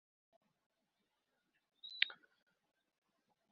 বাংলাদেশ স্বাধীন হওয়ার পর অনেকে বাংলাদেশ ফিরে গেলেও অনেকে এখানেই থেকে যান।